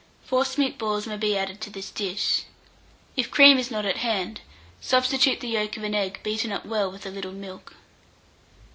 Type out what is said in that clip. Forcemeat balls may be added to this dish. If cream is not at hand, substitute the yolk of an egg beaten up well with a little milk.